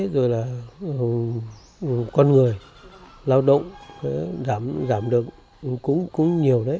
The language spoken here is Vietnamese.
rồi là con người lao động giảm được cũng nhiều đấy